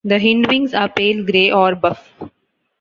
The hindwings are pale grey or buff.